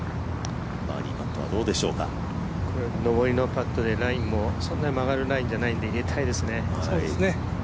上りのパットでラインもそんなに曲がるラインじゃないんで入れたいですね。